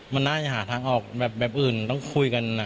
มันน่าจะหาทางออกแบบอื่นต้องคุยกัน